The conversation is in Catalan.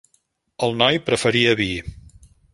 El noi preferia vi.